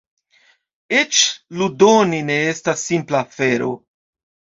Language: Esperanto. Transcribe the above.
Eĉ ludoni ne estas simpla afero.